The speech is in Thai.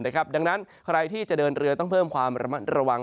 ดังนั้นใครที่จะเดินเรือต้องเพิ่มความระมัดระวัง